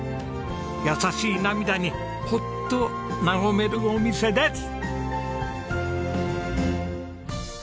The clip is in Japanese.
優しい涙にホッと和めるお店です！